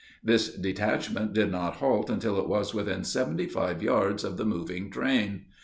This detachment did not halt until it was within seventy five yards of the moving train.